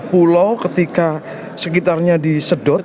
pulau ketika sekitarnya disedot